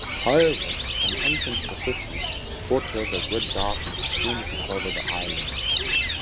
However, an ancient prophecy foretells a great darkness soon to cover the island.